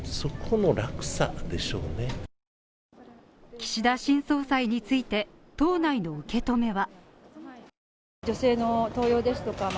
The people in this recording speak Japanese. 岸田新総裁について、党内の受け止めは。